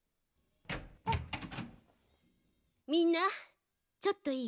みんなちょっといい？